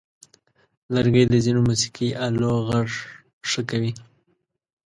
لرګی د ځینو موسیقي آلو غږ ښه کوي.